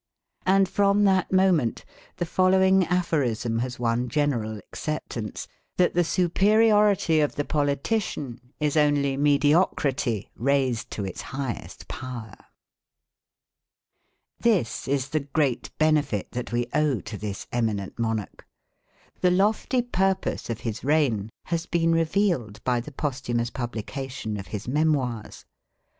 And from that moment the following aphorism has won general acceptance, that the superiority of the politician is only mediocrity raised to its highest power. This is the great benefit that we owe to this eminent monarch. The lofty purpose of his reign has been revealed by the posthumous publication of his memoirs.